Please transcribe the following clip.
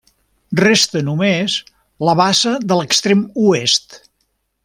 Resta només la bassa de l'extrem oest.